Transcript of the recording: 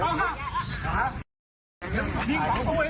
โอ๊ยที่ไหนน่ะมึงหรอเนี่ย